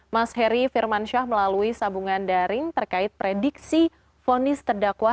mas heri firmansyah melalui sambungan daring terkait prediksi vonis terdakwa